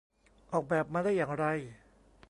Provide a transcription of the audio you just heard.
ออกแบบมาได้อย่างไร